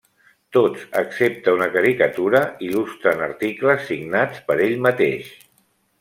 Tots, excepte una caricatura, il·lustren articles signats per ell mateix.